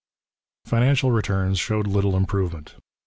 Financial returns showed little improvement.